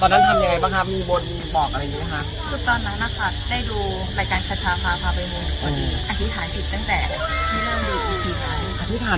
แล้วมีบ้นเบาะได้ไหมคะ